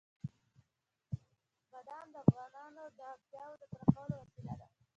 بادام د افغانانو د اړتیاوو د پوره کولو وسیله ده.